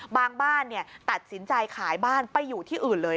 บ้านตัดสินใจขายบ้านไปอยู่ที่อื่นเลย